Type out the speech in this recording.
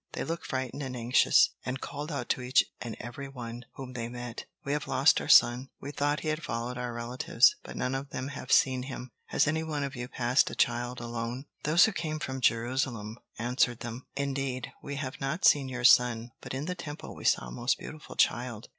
They looked frightened and anxious, and called out to each and every one whom they met: "We have lost our son! We thought he had followed our relatives, but none of them have seen him. Has any one of you passed a child alone?" Those who came from Jerusalem answered them: "Indeed, we have not seen your son, but in the Temple we saw a most beautiful child!